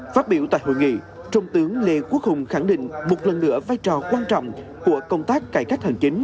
phát biểu tại hội nghị trung tướng lê quốc hùng khẳng định một lần nữa vai trò quan trọng của công tác cải cách hành chính